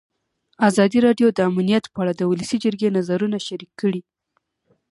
ازادي راډیو د امنیت په اړه د ولسي جرګې نظرونه شریک کړي.